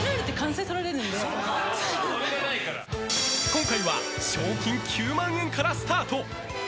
今回は賞金９万円からスタート。